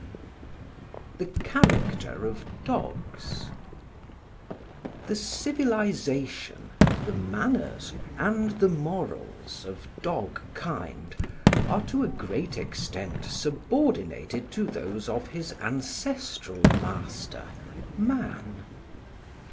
] VI THE CHARACTER OF DOGS The civilisation, the manners, and the morals of dog kind are to a great extent subordinated to those of his ancestral master, man.